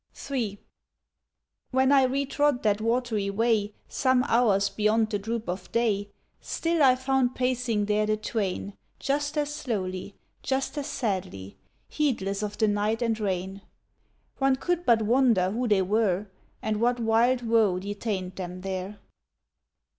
III When I retrod that watery way Some hours beyond the droop of day, Still I found pacing there the twain Just as slowly, just as sadly, Heedless of the night and rain. One could but wonder who they were And what wild woe detained them there.